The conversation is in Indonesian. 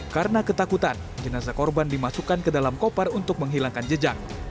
karena ketakutan jenazah korban dimasukkan ke dalam kopar untuk menghilangkan jejak